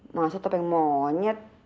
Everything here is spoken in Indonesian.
masuk topeng monyet